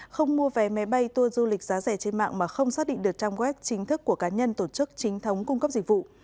không mua vé máy bay tour du lịch giá rẻ trên mạng mà không xác định được trang web chính thức của cá nhân tổ chức chính thống cung cấp dịch vụ